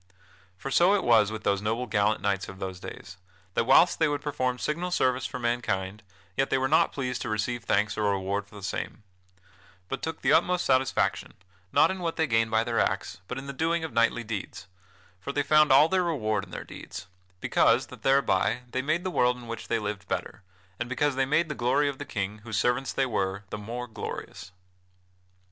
For so it was with those noble gallant knights of those days; that whilst they would perform signal service for mankind, yet they were not pleased to receive thanks or reward for the same, but took the utmost satisfaction, not in what they gained by their acts, but in the doing of knightly deeds, for they found all their reward in their deeds, because that thereby they made the world in which they lived better; and because they made the glory of the King, whose servants they were, the more glorious.